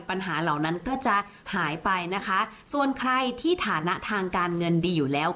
ปัญหาเหล่านั้นก็จะหายไปนะคะส่วนใครที่ฐานะทางการเงินดีอยู่แล้ว